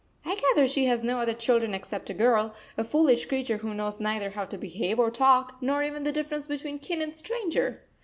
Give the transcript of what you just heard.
I gather she has no other children except a girl, a foolish creature who knows neither how to behave or talk, nor even the difference between kin and stranger.